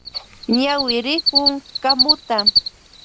Ñawirikun kamuta.